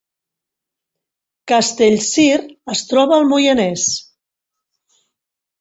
Castellcir es troba al Moianès